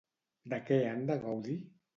De què han de gaudir?